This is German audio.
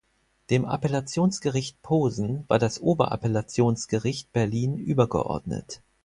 Dem Appellationsgericht Posen war das Oberappellationsgericht Berlin übergeordnet.